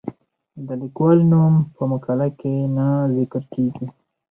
د لیکوال نوم په مقاله کې نه ذکر کیږي.